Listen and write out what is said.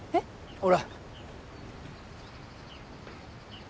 ほら。